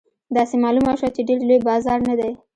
داسې معلومه شوه چې ډېر لوی بازار نه دی.